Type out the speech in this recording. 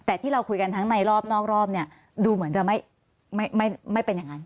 แต่ที่เราคุยกันทั้งในรอบนอกรอบเนี่ยดูเหมือนจะไม่เป็นอย่างนั้น